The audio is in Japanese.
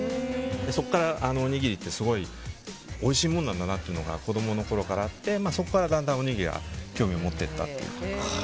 そこからおにぎりってすごいおいしいものなんだなって子供のころからあってそこからだんだんおにぎりに興味を持っていったという。